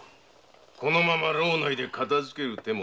このまま牢内で片づける手も。